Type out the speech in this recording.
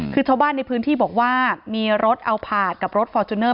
คือชาวบ้านในพื้นที่บอกว่ามีรถเอาผาดกับรถฟอร์จูเนอร์